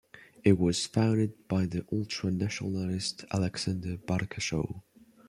It was founded by the ultra-nationalist Alexander Barkashov.